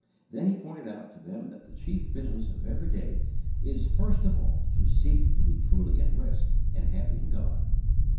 Then he pointed out to them that the chief business of every day is first of all to seek to be truly at rest and happy in God.